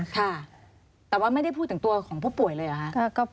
ค่ะแต่ว่าไม่ได้พูดถึงตัวของผู้ป่วยเลยเหรอคะ